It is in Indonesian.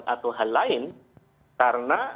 atau hal lain karena